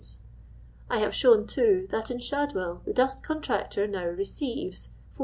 I have shown, too, that in ShaJwell the dust contractor now nr^iv^s 45ui.